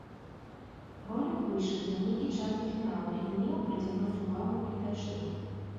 Ролік выйшаў за нейкі час да фіналу і меў прыцягнуць увагу гледачоў.